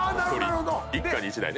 一家に１台ね。